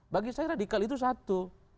bagi saya radikal itu satu